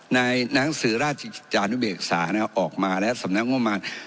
ในหนังสือราชจานุเบกษาออกมาแล้วสำนักงบประมาณ